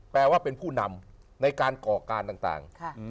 แปลว่าเป็นผู้นำในการก่อการต่าง